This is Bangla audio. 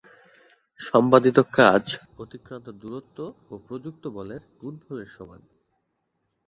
সম্পাদিত কাজ অতিক্রান্ত দূরত্ব ও প্রযুক্ত বলের গুণফলের সমান।